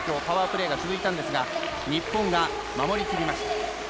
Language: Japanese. パワープレーが続いたんですが日本が守りきりました。